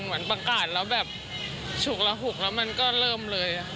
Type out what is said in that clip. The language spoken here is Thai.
เหมือนประกาศแล้วแบบฉุกระหุกแล้วมันก็เริ่มเลย